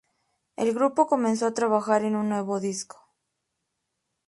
El grupo comenzó a trabajar en un nuevo disco.